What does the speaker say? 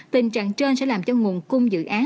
tình trạng trên sẽ làm cho nguồn cung dự án